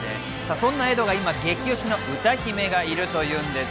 そんなエドが今、激推しの歌姫がいるというんです。